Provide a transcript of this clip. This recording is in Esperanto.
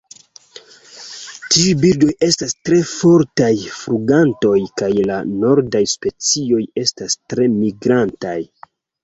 Tiuj birdoj estas tre fortaj flugantoj kaj la nordaj specioj estas tre migrantaj.